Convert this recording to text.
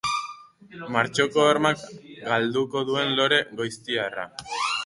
Martxoko hormak galduko duen lore goiztiarra.